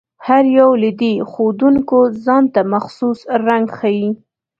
هر یو له دې ښودونکو ځانته مخصوص رنګ ښيي.